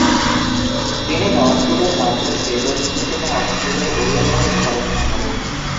তিনি নর্থউডের Merchant Taylor School এবং অক্সফোর্ডের ওরিয়েল কলেজে পড়াশোনা করেন।